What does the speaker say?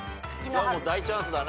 じゃあもう大チャンスだな。